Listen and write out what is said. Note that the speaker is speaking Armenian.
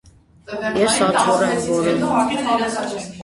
- Ես աթոռ եմ որոնում…